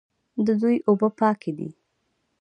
د دوی اوبه پاکې دي.